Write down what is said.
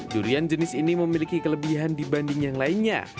durian jenis ini memiliki kelebihan dibanding yang lainnya